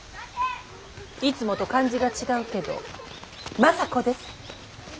いつもと感じが違うけど政子です。